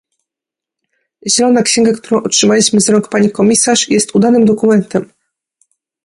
Zielona księga, którą otrzymaliśmy z rąk pani komisarz, jest udanym dokumentem